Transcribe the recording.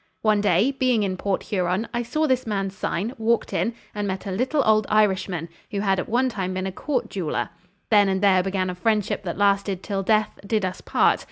One day, being in Port Huron, I saw this man's sign, walked in, and met a little old Irishman, who had at one time been a court jeweller. Then and there began a friendship that lasted till death "did us part."